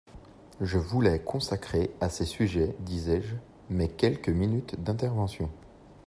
Je voulais consacrer à ces sujets, disais-je, mes quelques minutes d’intervention.